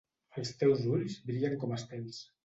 Els teus ulls brillen com estels.